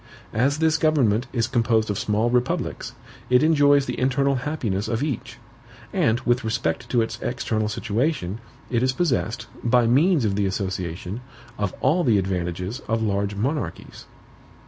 "As this government is composed of small republics, it enjoys the internal happiness of each; and with respect to its external situation, it is possessed, by means of the association, of all the advantages of large monarchies."